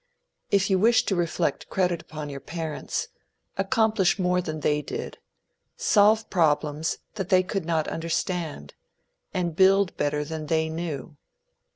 If you wish to reflect credit upon your parents, accomplish more than they did, solve problems that they could not understand, and build better than they knew.